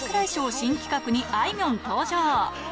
新企画にあいみょん登場。